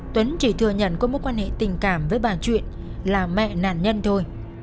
tuấn chỉ thừa nhận có mối quan hệ tình cảm với bà chuyện là mẹ nạn nhân thôi